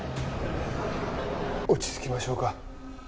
落ち着きましょうか。